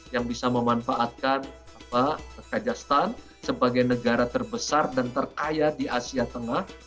yang bisa memanfaatkan kajastan sebagai negara terbesar dan terkaya di asia tengah